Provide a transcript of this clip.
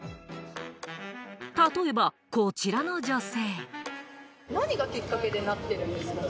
例えばこちらの女性。